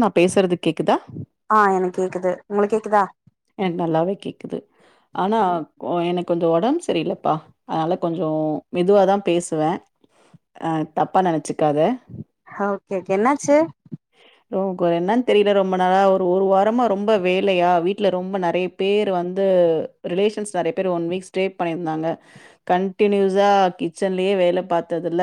நா பேசுறது கேக்குதா ஆ எனக்கு கேக்குது உங்களுக்கு கேக்குதா எனக்கு நல்லாவே கேக்குது ஆனா எனக்கு கொஞ்ச ஒடம்பு சரியில்லப்பா அதனால கொஞ்சோ மெதுவாதா பேசுவே அ தப்பா நெனச்சுக்காத ஓகே ஓகே என்னாச்சு ஓ கோ என்னன்னு தெரில ரொம்ப நாளா ஒரு ஒரு வாரமா ரொம்ப வேலையா வீ ட்ல ரொம்ப நெறைய பேர் வந்து ரிலேஷன்ஸ் நெறைய பேர் ஒன் வீக் ஸ்டே பண்ணி இருந்தாங்க கண்டினியூஸா கிச்சன்லயே வேல பாத்ததுல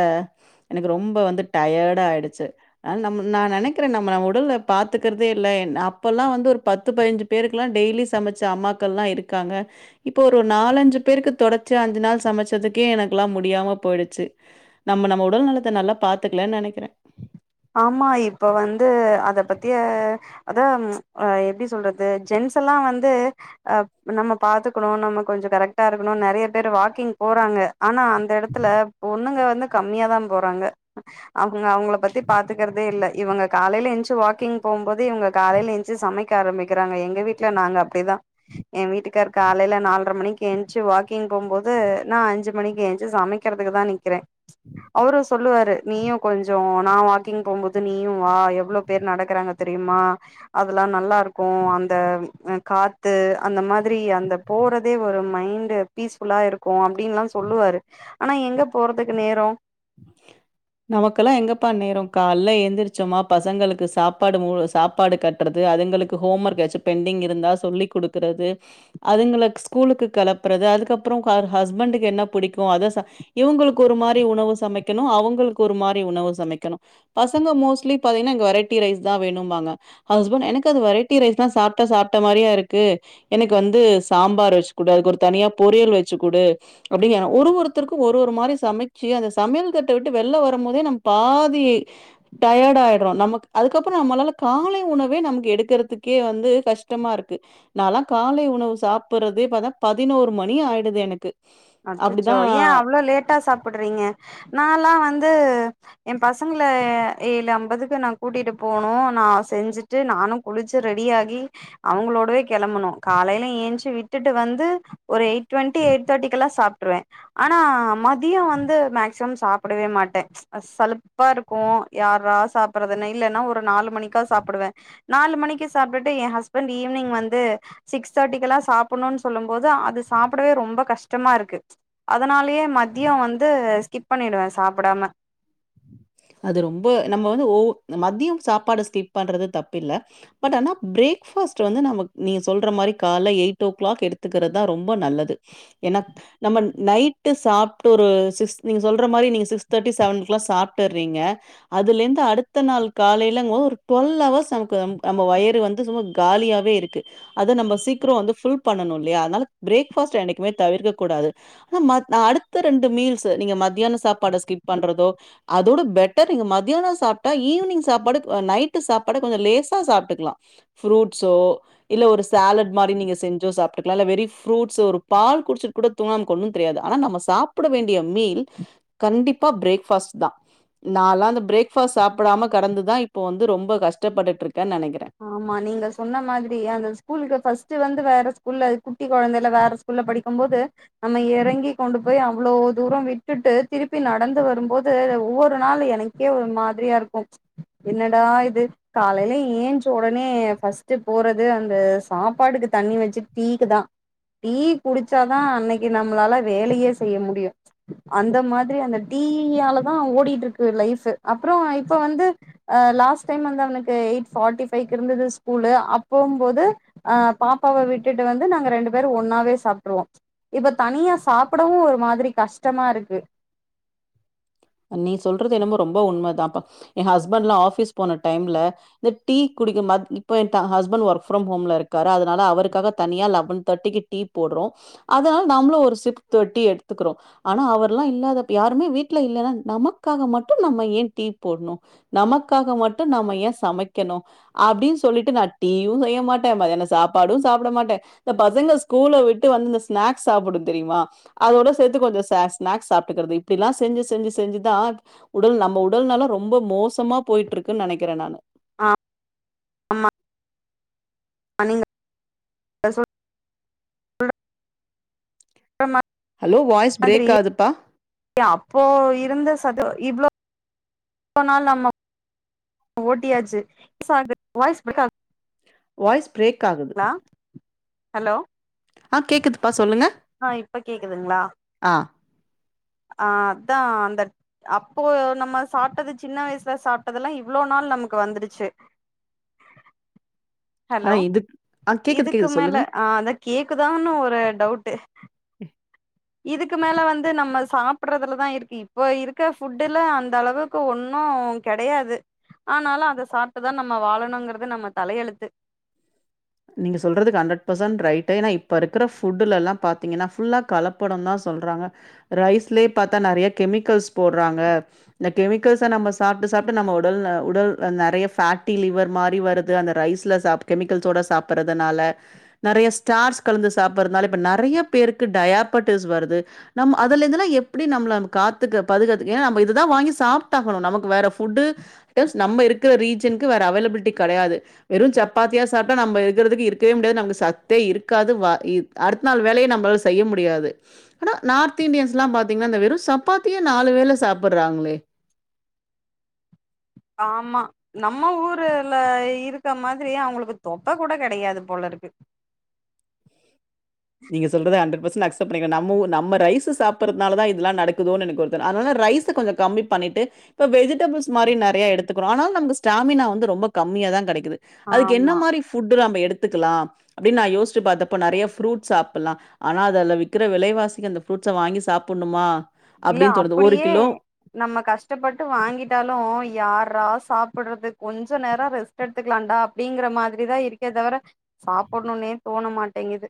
எனக்கு ரொம்ப வந்து டயர்டா ஆயிடுச்சு அ நம் நா நெனைக்கிறே நம்ம உடல பாத்துக்கறதே இல்ல என் அப்பல்லா வந்து ஒரு பத்து பதின்ஞ்சு பேருக்கெலா டெய்லி சமைச்ச அம்மாக்கல்லா இருக்காங்க இப்போ ஒரு நாலஞ்சு பேருக்கு தொடச்சியா அஞ்சு நாள் சமைச்சதுக்கே எனக்கெல்லா முடியாம போயிடுச்சு நம்ம நம்ம உடல் நலத்த நல்லா பாத்துக்கலன் நெனைக்கிற ஆமா இப்ப வந்து அத பத்தியே அதா எப்டி சொல்றது ஜென்ஸ் எல்லா வந்து அ நம்ம பாத்துக்கணு நம்ம கொஞ்ச கரெக்டா இருக்கணு நெறைய பேர் வாக்கிங் போறாங்க ஆனா அந்த எடத்துல பொண்ணுங்க வந்து கம்மியாதா போறாங்க அவங்க அவங்கள பத்தி பாத்துக்கறதே இல்ல இவங்க காலைல எஞ்ச்சு வாக்கிங் போம்போது இவங்க காலைய்ல எஞ்ச்சு சமைக்க ஆரம்பிக்கிராங்க எங்க வீட் ட்ல நாங்க அப்டிதா எ வீட்டுக்கார் காலைல நால்ர மணிக் என்ச்சு வாக்கிங் போம்போது நா அஞ்சு மணிக்கு எஞ்ச்சு சமைக் க்றதுக்கு தா நிக்றே அவரு சொல்லுவாரு நீயு கொஞ்ச நா வாக் கிங் போம்போது நீயு வா எவ்ளொ பேர் நடக்றாங்க தெரியுமா அதெல்லா நல்லா இருக்கு அந்த காத்து அந்த மாதிரி அந்த போறதே ஒரு மைண்டு பீஸ்ஃபுல்லா இருக்கு அப்டின்லா சொல்லுவாரு ஆனா எங்க போறதுக்கு நேரொ நமக்கெல்லா எங்கப்பா நேரொ கால்ல ஏந்திரிச்சோமா பசங்களுக்கு சாப்பாடு மூணு சாப்பாடு கட் றது அதுங்களுக்கு ஹோம் ஒர்க் யாச்சு பெண்டிங் இருந்தா சொல்லிக் கொடுக்கறது அதுங்கள ஸ்கூலுக்கு கெளப்புறது அதுக்கப்ற ஹஸ்பண்டுக்கு என்ன பிடிக்கு அத ச இவங்களுக்கு ஒரு மாரி உணவு சமைக்கணு அவங்களுக்கு ஒரு மாரி உணவு சமைக்கணு பசங்க மோஸ்ட்லி பாத்தீங்ன்னா எங்க வெரைட்டி ரைஸ் தா வேணும்பாங்க ஹஸ்பண்ட் எனக்கு அது வெரைட்டி ரைஸ் லா சாப்டா சாப்ட மாரியா இருக்கு எனக்கு வந்து சாம்பார் வச்சு குடு அதுக்கு ஒரு தனியா பொரியல் வச்சு குடு அப்டிங்க ஒரு ஒருத்தருக்கு ஒரு ஒரு மாரி சமைச்சு அந்த சமையல் கட்ட விட்டு வெள்ள வ ரும் போதே நம் பாதி டயட் ஆய்ட்ரோ நமக் அதுக்கப்ற நம்மலால காலை உணவே நமக்கு எடுக்கறதுக்கே வந்து கஷ்டமா இருக்கு நாலா காலை உணவு சாப்பறதே பாத்தா பதினோரு மணி ஆயிடுது எனக்கு அச்சச்சோ ஏ அப்டிதான் அவ்ளோ லேட்டா சாப்புட்றீங்க நால்லா வந்து எ பசங்கள ஏழு அம்பதுக்கு நா கூட்டிட்டு போனு நா செஞ்சுட்டு நானு குளிச்சு ரெடியாகி அவங்களோடவே கெளம்பணு காலைய்ல எஞ்சி விட்டுட்டு வந்து ஒரு எயிட் டுவெண்ட்டி எயிட் தேட்டிக் கெல்லா சாப்ட்ருவே ஆனா மதிய வந்து மேக்சிமம் சாப்டவே மாட்ட சலுப்பா இருக்கு யாரா சாப்றதுனு இல்லனா ஒரு நாலு மணிக்கா சாப்டுவ நாலு மணிக்கு சாப்ட்டுட்டு எ ஹஸ்பண்ட் ஈவினிங் வந்து சிக்ஸ் தேட்டிக்கெல்லா சாப்புணுன் சொல்லும் போது அது சாப்டவே ரொம்ப கஷ் டமா இருக்கு அதனாலயே மதியொ வந்து ஸ்கிப் பண்ணிடுவே சாப்டாம அது ரொம்ப நம்ம வந்து ஓ மதிய சாப்பாடு ஸ்கிப் பண்றது தப்பில்ல பட் ஆனா பிரேக்ஃபாஸ்ட் வந்து நம்ம நீ சொல்ற மாரி கால்ல எயிட் ஓ கிளாக் எடுத்துக்கறதா ரொம்ப நல்லது எனாப் நம்ம நைட்டு சாப்ட்டு ஒரு சிஸ் நீங்க சொல்ற மாரி நீங்க சிக்ஸ் தேட்டி செவன் க்ளா சாப்ட் ட்டுறீங்க அதுல இருந்து அடுத்த நாள் காலைலங்க ஒரு டுவல் அவர்ஸ் நமக்கு நம்ம வயிரு வந்து சும்மா காலியாவே இருக்கு அத நம்ம சீக்ரொ வந்து ஃபுல் பண்ணணு இல்லையா அதனால பிரேக்ஃபாஸ்ட் என்னைக்குமே தவிர்க்க கூடாது ஆனா மத் அடுத்த ரெண்டு மீல்ஸ் நீங்க மத்தியான சாப்பாட ஸ்கிப் பண்றதோ அதோட பெட்டர் நீங்க மதியான சாப்டா ஈவினிங் சாப்பாடு நைட்டு சாப்பாடு கொஞ்ச லேசா சாப்ட்டுக்லா ஃப்ரூட்ஸோ இல்ல ஒரு சாலட் மாரி நீங்க செஞ்சோ சாப்ட்டுக்லா இல்ல வெரி ஃப்ரூட்ஸ் ஒரு பால் குடிச்சு கூட தூங்குனா நமக்கு ஒன்னு தெரியாது ஆனா நம்ம சாப்பிட வேண்டிய மீல் கண்டிப்பா பிரேக் ஃபாஸ்ட் தா நான்லா அந்த பிரேக்ஃபாஸ்ட் சாப்பிடாம கெடந்துதா இப்ப வந்து ரொம்ப கஷ்டபட்டுட்டு இருக்கே நெனைக்கிறே ஆமா நீங்க சொன்ன மாதிரி அந்த ஸ்கூலுக்கு ஃபஸ்ட் வந்து வேற ஸ்கூல்ல குட்டி கொழந்தைல வேற ஸ்கூல்ல படிக்கும்போது நம்ம எறங்கி கொண்டு போய் அவ்ளோ தூர விட்டுட்டு திருப்பி நடந்து வரும்போது ஒவ்வொரு நாளு எனக் க்கே ஒரு மாதிரியா இருக்கு என்னடா இது காலையில ஏந்ச் ஒடனே ஃபஸ்ட்டு போறது அந்த சாப்பாடுக்கு தண்ணி வச்சு டீக்குதா டீ குடிச்சாதா அன்னைக்கு நம்மளால வேலையே செய்ய முடியு அந்த மாதிரி அந்த டீயாலதா ஓடிட்டு இருக்கு லைஃப்பு அப்பறோ இப்ப வந்து அ லாஸ்ட் டைம் வந்து அவனுக்கு எயிட் ஃபார்ட்டி ஃபைக்கு இருந்தது ஸ்கூலு அப்போம்போது அ பாப்பாவ விட்டுட்டு வந்து நாங்க ரெண்டு பேரு ஒன்னாவே சாப்ட்ருவோ இப்ப தனியா சாப்டவு ஒரு மாதிரி கஷ்டமா இருக்கு நீ சொல்றது என்னமோ ரொம்ப உண்மதாப்பா எ ஹஸ்பண்ட்லா ஆஃபீஸ் போன டைம்ல இந்த டீ குடிக்கமா இப்ப எ த ஹஸ்பண்ட் ஒர்க் ஃப்ரம் ஹோம்ல இருக்காரா அதனால அவருக்காக தனியா லெவன் தேட்டிக்கி டீ போட்றோ அதனால நாம்பளு ஒரு சிப் த டீ எடுத்துக்குறோ ஆனா அவர்ல்லா இல்லாதப்ப யாருமே வீட்ல இல்லன்னா நமக்காக மட்டு நம்ம ஏ டீ போட்னு நமக்காக மட்டு நம்ம ஏ சமைக்கனு அப்டின் சொல்லிட்டு நா டீயு செய்ய மாட்ட மதியானோ சாப்பாடு சாப்ட மாட்ட இந்த பசங்க ஸ்கூல விட்டு வந்து இந்த ஸ்நாக்ஸ் சாப்புடு தெரியுமா அதோட சேத்து கொஞ்சோ ஸ்நாக்ஸ் சாப்ட்டுக்குறது இப்டில்லா செஞ்சு செஞ்சு செ ஞ்சுதா உடல் நம்ம உடல் நலோ ரொம்ப மோசமா போயிட்டு இருக்கு நெனைக்கிற நானு ஆமா நீங்க சொல்ற ஹலோ வாய்ஸ் பிரேக் ஆதுப்பா எ அப்போ இருந்த சத்து இவ்ளோ இவ்ளோ நாள் நம்ம ஓட்டியாச்சு சோ அது வாய்ஸ் பிரேக்கா வாய்ஸ் பிரேக் ஆகு அ ஹலோ அ கேக்குதுப்பா சொல்லுங்க அ இப்ப கேக்குதுங்ளா ஆ அ அதா அந்த அப்போ நம்ம சாப்ட்டது சின்ன வயசுல சாப்ட்டதல்லா இவ்ளோ நாள் நமக்கு வந்துடுச்சு ஹலோ ஆனா இது ஆ கேக்குது இதுக்கு கேக்குது மேல சொல்லுங்க அ அதா கேக்குதான்னு ஒரு டவுட்டு இதுக்கு மேல வந்து நம்ம சாப்புட்றதுலதா இருக்கு இப்போ இருக்க ஃபுட்டுல அந்த அளவு க்கு ஒன்னு கெடையாது ஆனாலு அத சாப்ட்டுதா நம்ம வாழணுங்கறது நம்ம தலயெழுத்து நீங்க சொல்றது ஹண்ட்ரட் பெர்ஸன்ட் ரைட்டு என்னா இப்ப இருக்கற ஃபுட்டுலல்லா பாத்தீங்கன்னா ஃபுல்லா கலப் படந்தா சொல்றாங்க ரைஸ்லே பாத்தா நெறைய கெமிக்கல்ஸ் போட்றாங்க இந்த கெமிக்கல்ஸ்ஸ நம்ம சாப்ட்டு சாப்ட்டு நம்ம உடல் உடல் நெறைய ஃபேட்டி லிவர் மாரி வருது அந்த ரைஸ் ல சாப் கெமிக்கல்ஸோட சாப்பட்றதுனால நெறைய ஸ்டார்ச் கலந்து சாப்பட்றதுனால இப்ப நெறைய பேருக்கு டயாபட்டிஸ் வருது நம்ம அதுல இருந்துல்லா எப்டி நம்பள நம்ம காத்துக்க பாதுகாத்துக்க ஏன்னா நம்ம இதுதா வாங்கி சாப்ட்டாகனு நமக்கு வேற ஃபுட்டு ஸ் நம்ம இருக்கற ரீஜனுக்கு வேற அவைலபிலிட்டி கெடையாது வெறு சப்பாத்தியா சாப்ட்டா நம்ப இருகறதுக்கு இருக்கவே முடியாது நாங்க சத்தே இருக்காது வ இ அடுத்த நாள் வேலயே நம்பளால செய்ய முடியாது அனா நார்த் இந்டியன்ஸ்லா பாத்திங்ன்னா அந்த வெறு சப்பாத்தியே நாலு வேல சாப்பர்றாங்ளே ஆமா நம்ம ஊருல இருக்க மாதிரி அவுங்களுக்கு தொப்ப கூட கெடையாது போல இருக்கு நீங்க சொல்றது ஹண்ரட் பர்சன்ட் அக்சப்ட் பண்ணிக்கற நம்ம ஊ நம்ம ரைஸ்ஸு சாப்பறதுனால தா இதெல்லா நடக்குதோன் எனக்கு உருத்தல் அதனால ரைஸ்ஸு கொஞ்சோ கம்மி பண்ணிட்டு இப்ப வெஜிடபிள்ஸ் மாரி நறையா எடுத்துக்கறோ அனாலு நமக்கு ஸ்டாமினா வந்து ரொம்ப கம்மியா தா கெடைக்குது அதுக்கு என்ன ஆமா மாரி ஃபுட்டு நாம்ப எடுத்துக்கலா அப்டின் நா யோஸ்ச்சி பாத்தப்ப நறைய ஃபுரூட் சாப்பல்லா அனா அதல்ல விக்கற விலைவாசிக்கு அந்த ஃப்ரூட்ஸ வாங்கி சாப்புண்ணுமா இல்ல அப்டின் தோணுது ஒரு அப்படியே கிலோ நம்ம கஷ்டப்பட்டு வாங்கிட்டாலு யார்ரா சாப்பறது கொஞ்ச நேரோ ரெஸ் ட் எடுத்துக்கலான்டா அப்டிங்கற மாதிரிதா இருக்கே தவர சாப்புண்ணோனே தோண மாட்டிங்குது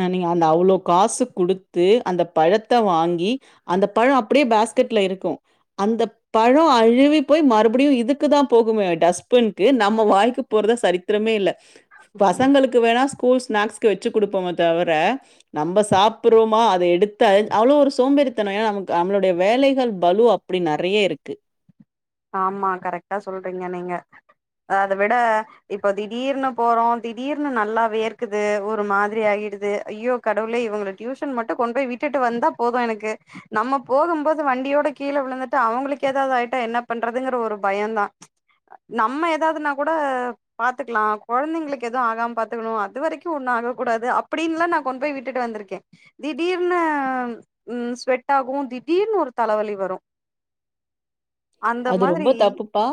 அ நீங்க அந்த அவ்ளோ காசு குடுத்து அந்த பழத்த வாங்கி அந்த பழோ அப்டே பேஸ்கட்ல இருக்கு அந்தப் பழோ அழுவி போய் மறுபடியு இதுக்கு தா போகுமே டஸ்பின்கு நம்ம வாய்க்கு போறதா சரித்தரமே இல்ல ஆமா பசங்களுக்கு வேணா ஸ்கூல் ஸ்நாக்ஸ்க்கு வெச்சு குடுப்போமோ தவர நம்ப சாப்பறோமா அத எடுத்த அவ்ளோ ஒரு சோம்பேறி த்தனோ நமக்கு நம்ளுடைய வேலைகள் பலு அப்டி நெறைய இருக்கு ஆமா கரக்ட்டா சொல்றீங்க நீங்க அத விட இப்ப திடீர்ன்னு போறோ திடீர்ன்னு நல்லா வேர்க்குது ஒரு மாதிரி ஆயிடுது ஐயோ கடவுளே இவங்கள‌ டியூஷன் மட்டு கொண்டு போய் விட்டு வந்தா போது எனக்கு நம்ம போகுபோது வண்டியோட கீழ விழுந்துட்டா அவங்களுக்கு எதாவது ஆயிட்டா என்ன பண்றதுங்கற ஒரு பயந்தா நம்ம எதாவதுன்னா கூட பாத்துக்கலா கொழந்தைங்களுக்கு எது ஆகாம பாத்துக்கணு அது வரைக்கு ஒண்ணு ஆக கூடாது அப்படின்லா நா கொண் போய் விட்டுட்டு வந்துருக்கே திடீர்ன்னு ம் ஸ்வெட்டாகு திடீர்ன்னு ஒரு தலவலி வரு அந்த அது ரொம்ப மாதிரி தப்புப்பா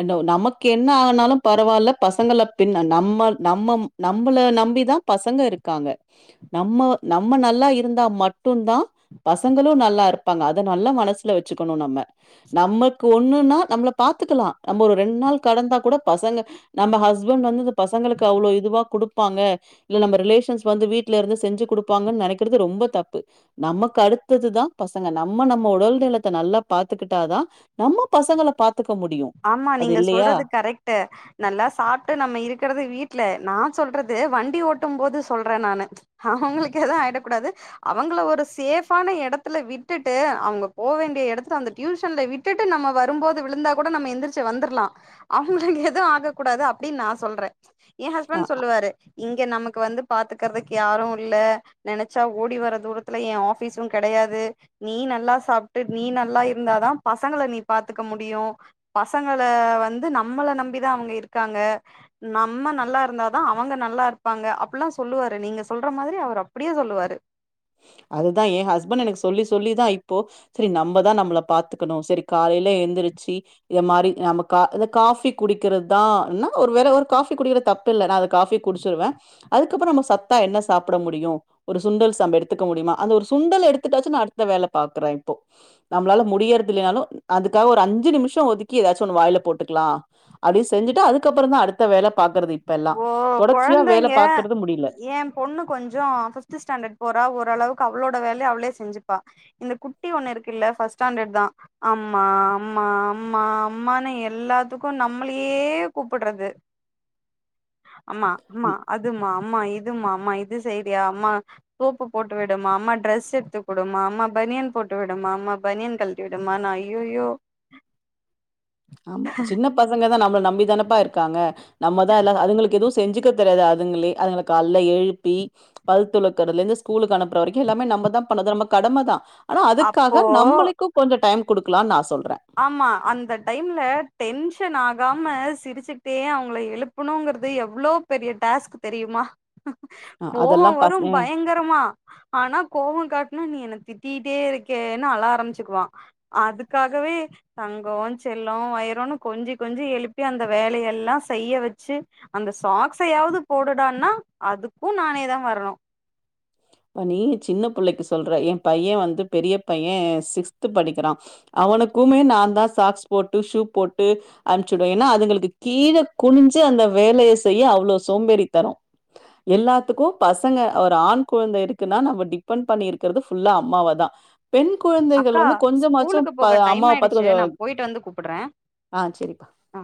அது நமக்கு என்ன ஆனாலு பரவால்ல பசங்கள பின் நம்ம நம்ம நம்பள நம்பிதா பசங்க இருக்காங்க நம்ம நம்ம நல்லா இருந்தா மட்டுந்தா பசங்களு நல்லா இருப்பாங்க அத நல்லா மனசுல வச்சுக்கணு நம்ம நம்ம ஒன்னொன்னா நம்மள பாத்துக்கலா நம்ம ஒரு ரெண் நாள் கடந்தா கூட பசங்க நம்ம ஹஸ்பண்ட் வந்து அந்த பசங்களுக்கு அவ்ளோ இதுவா குடு ப்பாங்க இல்ல நம்ம ரிலேஷன்ஸ் வந்து வீட்ல இருந்து செஞ்சு குடுப்பாங்கன் நெனைக்கறது ரொம்ப தப்பு நமக்கு அடுத்ததுதா பசங்க நம்ம நம்ம உடல் நிலத்த நல்லா பாத்துக்கிட்டாதா நம்ம பசங்கள பாத்துக்க முடியு அது இல்லயா ட்ட நல்லா சாப்ட்டு நம்ம இருக்கறது வீட்ல நா சொல்றது வண்டி ஓட்டும் போது சொல்ற நானு அவுங்களுக்கு எதூ ஆயிடக் கூடாது அவங்கள ஒரு சேஃபான எடத்துல விட்டுட்டு அவங்க போ வேண்டிய எடத்துட்டு அந்த டியூஷன்ல விட் டுட்டு நம்ம வரும்போது விழுந்தா கூட நம்ம எந்திரிச்சு வந்தர்லா அவங்களுக்கு எதூ ஆக கூடாது அப்டின் நா சொல்றே ஏ ஹஸ்பண்ட் சொல்லுவாரு இங்க நமக்கு வந்து பாத்துக்கறதுக்கு யாரு இல்ல நெனச்சா ஓடி வர தூரத்துல ஏ ஆபிஸு கெடையாது நீ நல்லா சாப்ட்டு நீ நல்லா இருந்தாதா பசங்கள நீ பாத்துக்க முடியு பசங்கள வந்து நம்மள நம்பிதா அவங்க இருக்காங்க நம்ம நல்லா இருந்தா தா அவங்க நல்லா இருப்பாங்க அப்புலா சொல்லுவாரு நீங்க சொல்ற மாதிரி அவர் அப்டியே சொல்லுவாரு அதுதா என் ஹஸ்பண்ட் எனக்கு சொல்லி சொல்லிதா இப்போ செரி நம்மதா நம்மள பாத்துக்கணு செரி காலையில எந்திரிச்சு இத மாரி நம்ம கா இந்த காஃபி குடிக்கிறது தா ன்னா ஒரு வேற ஒரு காபி குடிக்கிற தப் பில்ல நா காஃபி குடிச்சிறுவே அதுக்கப்றோ நம்ம சத்தா என்ன சாப்பிட முடியு ஒரு சுண்டல் சம்பெடுத்து எடுத்துக்க முடியுமா அந்த ஒரு சுண்டல் எடுத்துட்டாச்சு நா அடுத்த வேல பாக்குறே இப்போ நம்மளால முடியறது இல்லனாலு அதுக்காக ஒரு அஞ்சு நிமிஷம் ஒதுக்கி ஏதாச்சும் ஒண்ணு வாயில போட்டுக்கலா அப்டி செஞ்சுட்டு அதுக்கப்றோ தா அடுத்த வேல பாக்குறது இப்பல்லா இப்போ தொடர்ச்சியா வேல கொழந்தைங்க பாக்குறது முடியல ஏ பொண்ணு கொஞ்சோ ஃபிப்த் ஸ்டாண்டர்ட் போறா ஓரளவுக்கு அவளோட வேலய அவளே செஞ்சுப்பா இந்த குட்டி ஒண்ணு இருக்கு இல்ல ஃபஸ்ட் ஸ்டாண்டர்ட் தா அம்மா அம்மா அம்மா அம்மானு எல்லாத்துக்கு நம்மளயே கூப்புட்றது அம்மா அம்மா அதுமா அம்மா இதுமா அம்மா இது செய்ரியா அம்மா சோப்பு போட்டு விடுமா அம்மா டிரெஸ் எடுத்துக்குடுமா அம்மா பனியன் போட்டு விடுமா அம்மா பனியன் கல் ட்டி விடுமா ஐய்யயோ ஆமா சின்ன பசங்க தான் நம்மள நம்பி தனப்பா இருக்காங்க நம்மதா இல்ல அதுங்களுக்கு எதுவு செஞ்சுக்க தெரியாது அதுங்களே அதுங்கள கல்ல எழுப்பி பல்துலக்கல இருந்து ஸ்கூல்க்கு அனுப்புற வரைக்கும் எல்லாமே நம்ம தான் பண்ணறது நம்ம கடம தான் ஆனா அதுக்காக அப்போ நம்மளுக்கும் கொஞ்ச டைம் கொடுக்கலாம்னு நான் சொல்றேன் ஆமா அந்த டைம்ல டென்ஷன் ஆகாம சிரிச்சுட்டே அவங்கள எழுப் புனங்கிறது எவ்ளோ பெரிய டாஸ்க் தெரியுமா அ போவம் அதெல்லாம் பச வரும் பயங்கர மா ஆனா கோவம் காட்டுனா நீ என்னை திட்டிட்டே இருக்கேன்னு அள ஆரம்பிச்சுகுவான் அதுக்காகவே தங்கம் செல்லம் வயருன்னு கொஞ்சி கொஞ்சி எழுப்பி அந்த வேலயெல்லாம் செய்ய வெச்சு அந்த சாக்ஸயாவது போடுடான்னா அதுக்கும் நானே தான் வரணு நீ சின்ன புள்ளைக்கு சொல்ற என் பையன் வந்து பெரிய பையன் சிக்ஸ்த் படிக்கிறான் அவனுக்குமே நான் தான் சாக்ஸ் போட்டு ஷூ போட்டு அம்பிச்சுடுவ ஏனா அதுங்களுக்கு கீழே குனிஞ்சு அந்த வேலய செய்ய அவ்ளோ சோம்பேறி தனம் எல்லாத்துக்கும் பசங்க ஒரு ஆண் கொழந்த இருக்குன்னா நம்ம டிபெண்ட் பண்ணி இருக்குறது ஃபுல்லா அம்மாவ தான் பெண் கொழந்தைகள் அக்கா வந்து கொஞ்சமாச்சும் ஸ்கூலுக்கு போக டைம் அம்மாவ பாத்து ஆயிடுச்சு கொஞ்ச நா போயிட்டு வந்து கூப்புட்றே ஆ செரிமா ஆ